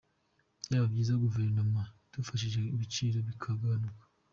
Byaba byiza Guverinoma idufashije ibiciro bikagabanuka.